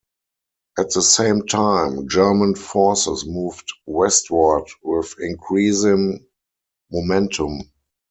At the same time, German forces moved westward with increasing momentum.